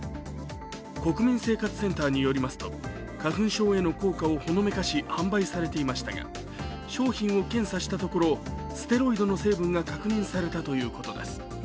国民生活センターによりますと花粉症への効果をほのめかし販売されていましたが商品を検査したところステロイドの成分が確認されたということです。